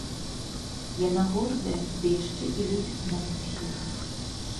Яна гордая, ды яшчэ і любіць нас усіх.